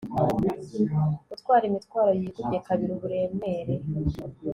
gutwara imitwaro yikubye kabiri uburemere